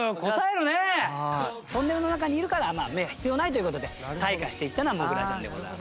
トンネルの中にいるから目は必要ないという事で退化していったのはモグラちゃんでございますね。